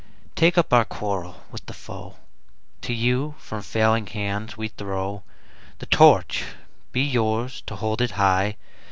Take up our quarrel with the foe: To you from failing hands we throw The Torch: be yours to hold it high!